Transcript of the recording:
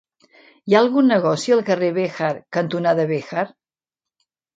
Hi ha algun negoci al carrer Béjar cantonada Béjar?